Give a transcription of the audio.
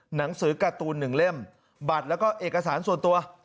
หนังสือการ์ตูน๑เล่มบัตรแล้วก็เอกสารส่วนตัว